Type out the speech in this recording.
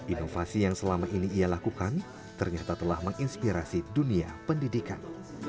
inovasi yang selama ini ia lakukan ternyata telah menginspirasi dunia pendidikan